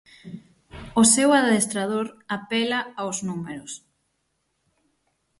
O seu adestrador apela aos números.